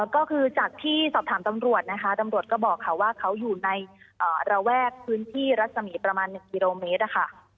ก็คือจากที่สอบถามตำรวจนะคะตำรวจก็บอกค่ะว่าเขาอยู่ในระแวกพื้นที่รัศมีประมาณ๑กิโลเมตรค่ะ